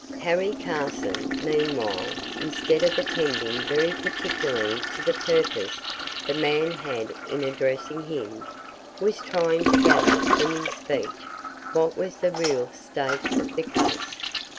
Harry Carson, meanwhile, instead of attending very particularly to the purpose the man had in addressing him, was trying to gather from his speech what was the real state of the case.